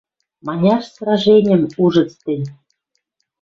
Маняр сраженьӹм ужыц тӹнь